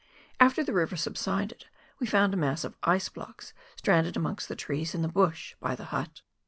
After the river subsided we found a mass of ice blocks stranded amongst the trees in the bush by the hut.